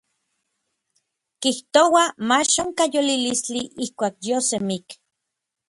Kijtouaj mach onkaj yolilistli ijkuak yiosemik.